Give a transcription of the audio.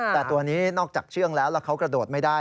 แต่ตัวนี้นอกจากเชื่องแล้วแล้วเขากระโดดไม่ได้